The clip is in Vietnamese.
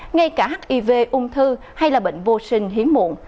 ngay cả hiv ung thư hay là bệnh vô sinh hiếm muộn